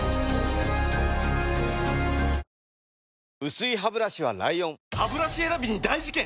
薄いハブラシは ＬＩＯＮハブラシ選びに大事件！